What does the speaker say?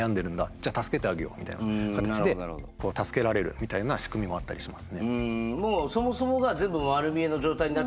じゃあ助けてあげようみたいな形で助けられるみたいなしくみもあったりしますね。